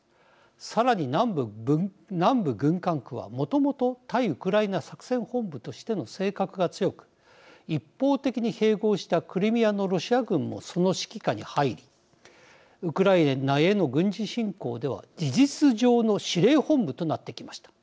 さらに南部軍管区はもともと対ウクライナ作戦本部としての性格が強く一方的に併合したクリミアのロシア軍もその指揮下に入りウクライナへの軍事侵攻では事実上の司令本部となってきました。